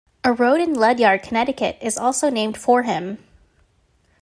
A road in Ledyard, Connecticut is also named for him.